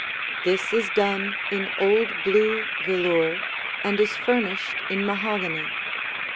This is done in old blue velour and is furnished in mahogany.